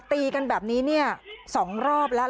ตีกันแบบนี้๒รอบแล้ว